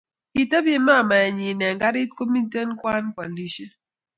Kitebi mamaenyi eng karit, komiten Kwan koalishe